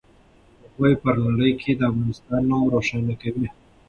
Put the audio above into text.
هغوی په نړۍ کې د افغانستان نوم روښانه کوي.